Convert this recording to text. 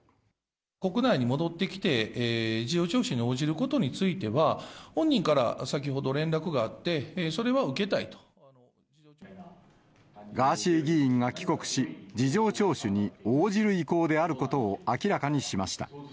国内に戻ってきて事情聴取に応じることについては、本人から先ほど連絡があって、それは受けガーシー議員が帰国し、事情聴取に応じる意向であることを明らかにしました。